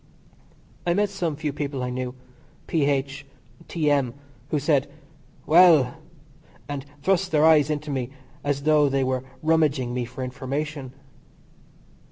I met some few people I knew. P.H., T.M., who said: "Well!" and thrust their eyes into me as though they were rummaging me for information.